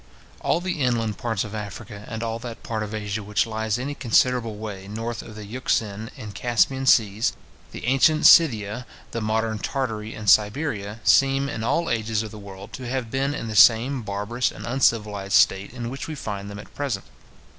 All the inland parts of Africa, and all that part of Asia which lies any considerable way north of the Euxine and Caspian seas, the ancient Scythia, the modern Tartary and Siberia, seem, in all ages of the world, to have been in the same barbarous and uncivilized state in which we find them at present.